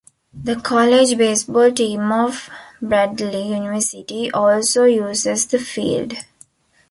The college baseball team of Bradley University also uses the field.